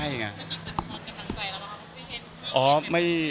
บรรทองกำลังใจแล้วเหรอครับ